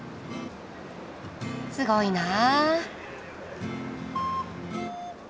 すごいなあ。